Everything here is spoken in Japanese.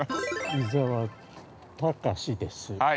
◆伊沢隆司です。